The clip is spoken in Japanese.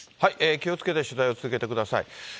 気をつけて取材を続けてください。